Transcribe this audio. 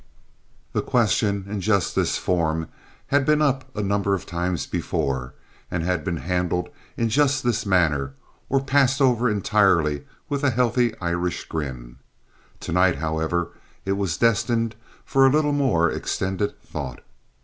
The question in just this form had been up a number of times before, and had been handled in just this manner, or passed over entirely with a healthy Irish grin. To night, however, it was destined for a little more extended thought.